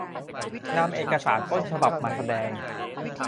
นำเอกสารต้นฉบับมาแสดง